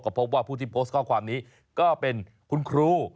พบว่าผู้ที่โพสต์ข้อความนี้ก็เป็นคุณครู